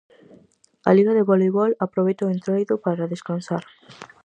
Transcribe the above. A liga de voleibol aproveita o Entroido para descansar.